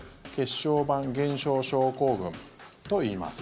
小板減少症候群といいます。